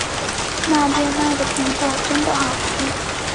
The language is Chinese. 那边卖的苹果真的好吃